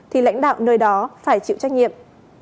thì lãnh đạo nơi đó phải chịu trách nhiệm